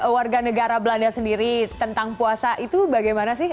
warga negara belanda sendiri tentang puasa itu bagaimana sih